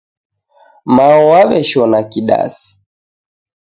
Mao waweshona kidasi